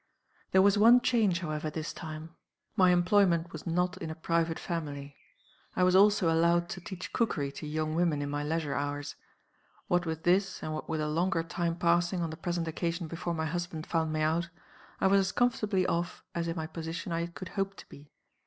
"There was one change, however, this time. My employment was not in a private family. I was also allowed to teach cookery to young women, in my leisure hours. What with this, and what with a longer time passing on the present occasion before my husband found me out, I was as comfortably off as in my position I could hope to be.